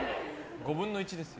５分の１ですよ。